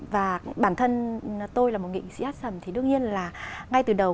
và bản thân tôi là một nghị sĩ hát sẩm thì đương nhiên là ngay từ đầu